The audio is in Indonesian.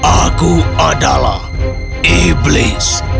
aku adalah iblis